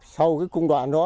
sau cái cung đoạn đó